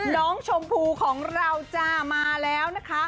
ชมพูของเราจ้ามาแล้วนะคะ